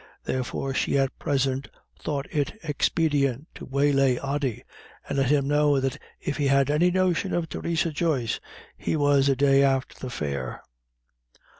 Therefore she at present thought it expedient to waylay Ody, and let him know that if he had any notion of Theresa Joyce, he was a day after the fair.